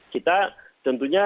kita tentunya harus